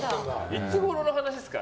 いつごろの話ですか？